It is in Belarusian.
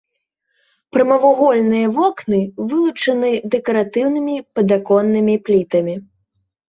Прамавугольныя вокны вылучаны дэкаратыўнымі падаконнымі плітамі.